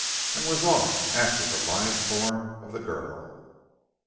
and was off after the lithe form of the girl.